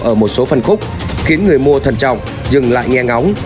ở một số phân khúc khiến người mua thận trọng dừng lại nghe ngóng